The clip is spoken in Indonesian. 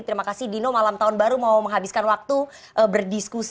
terima kasih dino malam tahun baru mau menghabiskan waktu berdiskusi